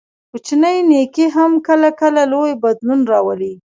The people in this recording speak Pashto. کوچنی نیکي هم کله کله لوی بدلون راولي.